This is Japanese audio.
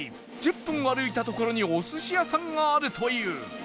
１０分歩いた所にお寿司屋さんがあるという